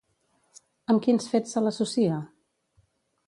Amb quins fets se l'associa?